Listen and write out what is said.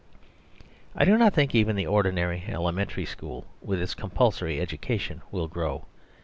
I do not think even the ordinary Elementary School, with its compulsory education, will grow.